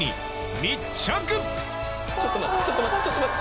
ちょっと待って。